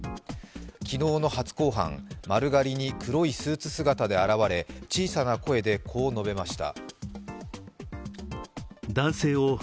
昨日の初公判、丸刈りに黒いスーツ姿で現れ小さな声でこう述べました。